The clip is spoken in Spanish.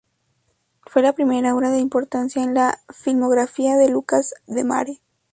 Fue la primera obra de importancia en la filmografía de Lucas Demare.